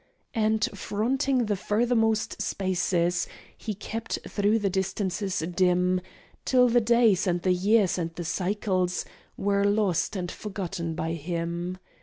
And, fronting the furthermost spaces, He kept through the distances dim, Till the days, and the years, and the cycles Were lost and forgotten by him.